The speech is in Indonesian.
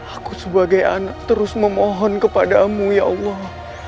aku sebagai anak terus memohon kepadamu ya allah